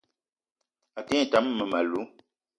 A te ngne tam mmem- alou